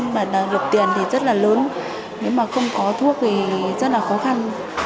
mà nộp tiền thì rất là lớn nếu mà không có thuốc thì rất là khó khăn